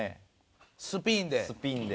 スピンで。